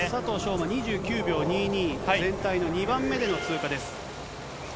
馬２９秒２２、全体の２番目での通過です。